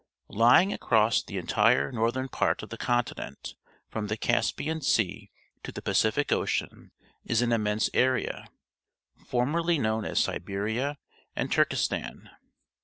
Lj ing across the entire northern part of the continent from the Caspian Sea to the Pacific Ocean is an immense area, formerly known as Siberia and Turkestan.